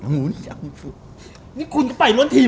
เราจะเชตไอ้๓ทีม